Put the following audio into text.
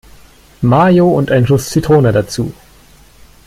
Mayo und ein Schuss Zitrone dazu.